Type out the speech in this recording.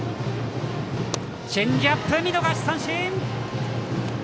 チェンジアップ見逃し三振！